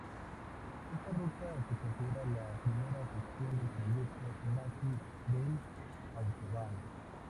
Esta ruta se considera la primera sección del proyecto nazi del Autobahn.